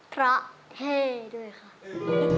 เพราะเท่ด้วยค่ะ